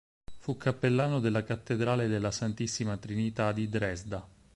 Fu cappellano della Cattedrale della Santissima Trinità di Dresda.